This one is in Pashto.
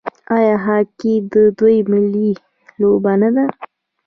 آیا هاکي د دوی ملي لوبه نه ده؟